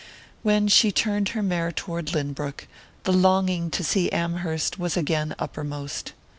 When she turned her mare toward Lynbrook, the longing to see Amherst was again uppermost.